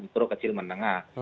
pro kecil menengah